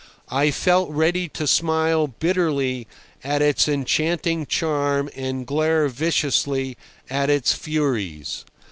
I felt ready to smile bitterly at its enchanting charm and glare viciously at its furies.